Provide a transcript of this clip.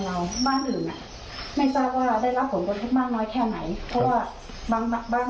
อยากให้ในงานเข้ามาช่วยเหลือคือ